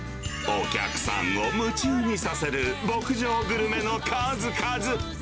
お客さんを夢中にさせる牧場グルメの数々。